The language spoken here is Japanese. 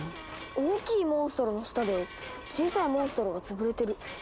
大きいモンストロの下で小さいモンストロが潰れてる。